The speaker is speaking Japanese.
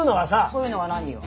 そういうのは何よ？